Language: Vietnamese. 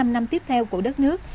năm năm tiếp theo của đất nước